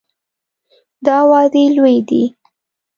دا وعدې لویې دي.